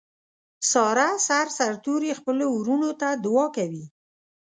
ساره سر سرتوروي خپلو ورڼو ته دعاکوي.